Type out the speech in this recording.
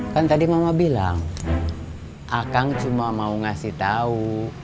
kan tadi mama bilang akang cuma mau ngasih tahu